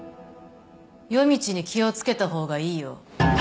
夜道に気を付けた方がいいよ。